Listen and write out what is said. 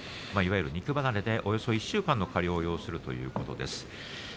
いわゆる肉離れで１週間の加療を要するということです。